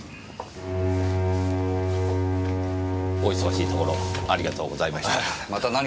お忙しいところありがとうございました。